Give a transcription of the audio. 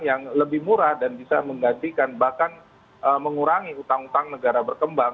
yang lebih murah dan bisa menggantikan bahkan mengurangi utang utang negara berkembang